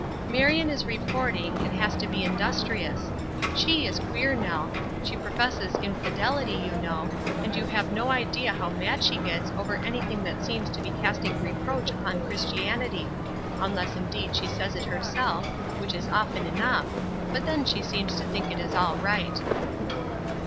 "Marion is reporting, and has to be industrious. She is queer, Nel; she professes infidelity, you know; and you have no idea how mad she gets over anything that seems to be casting reproach on Christianity (unless indeed she says it herself, which is often enough, but then she seems to think it is all right).